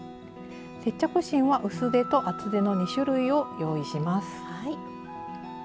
接着芯は薄手と厚手の２種類を用意します。